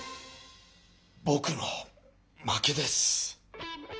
ぼくの負けです。